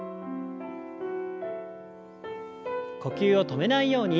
呼吸を止めないように。